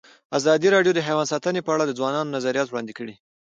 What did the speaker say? ازادي راډیو د حیوان ساتنه په اړه د ځوانانو نظریات وړاندې کړي.